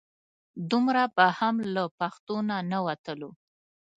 دومره به هم له پښتو نه نه وتلو.